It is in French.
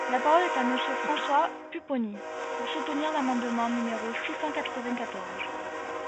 La parole est à Monsieur François Pupponi, pour soutenir l’amendement numéro six cent quatre-vingt-quatorze.